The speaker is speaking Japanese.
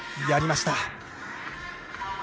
やりました。